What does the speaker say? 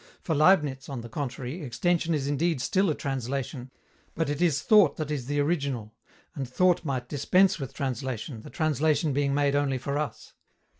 For Leibniz, on the contrary, extension is indeed still a translation, but it is thought that is the original, and thought might dispense with translation, the translation being made only for us.